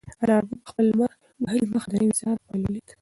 انارګل په خپل لمر وهلي مخ د نوي سهار پیل ولید.